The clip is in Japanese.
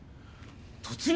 突入